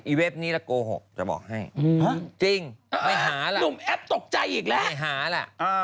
เว็บนี้ละโกหกจะบอกให้จริงไม่หาล่ะหนุ่มแอปตกใจอีกแล้วไม่หาล่ะ